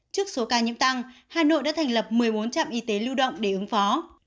trước số ca nhiễm tăng hà nội đã thành lập một mươi bốn trạm y tế lưu động để ứng phó